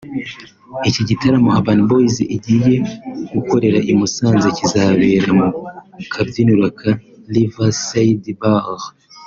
Iki gitaramo Urban Boys igiye gukorera i Musanze kizabera mu kabyiniro ka River Side Bar